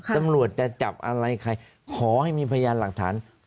ตำรวจจะจับอะไรใครขอให้มีพยานหลักฐาน